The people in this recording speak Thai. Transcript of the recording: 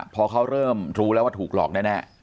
พอเขาเริ่มรู้แล้วว่าถูกหลอกแน่